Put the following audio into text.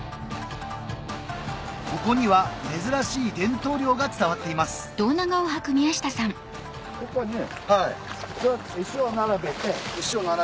ここには珍しい伝統漁が伝わっています石を並べて。